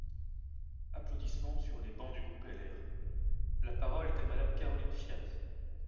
(Applaudissements sur les bancs du groupe LR.) La parole est à Madame Caroline Fiat.